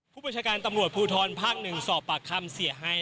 ผู้บัญชาการตำรวจภูทรภักดิ์๑สอบปากคำเสียหาย